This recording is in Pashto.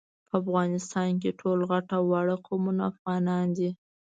په افغانستان کي ټول غټ او واړه قومونه افغانان دي